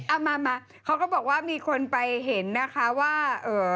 เอามามาเขาก็บอกว่ามีคนไปเห็นนะคะว่าเอ่อ